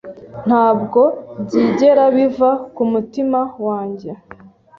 Ntabwo byigera biva kumutima wanjye